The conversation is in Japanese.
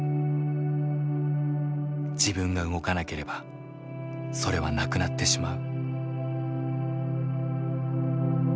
自分が動かなければそれはなくなってしまう。